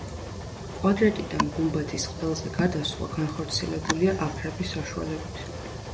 კვადრატიდან გუმბათის ყელზე გადასვლა განხორციელებულია აფრების საშუალებით.